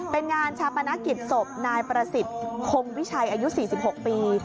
เป็นงานชาปนกิจศพนายประสิทธิ์คงวิชัยอายุ๔๖ปี